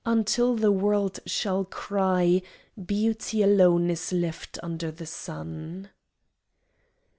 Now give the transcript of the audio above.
until the world shall cry, Beauty alone is left under the sun!"